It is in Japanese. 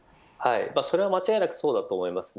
それは間違いなくそうだと思います。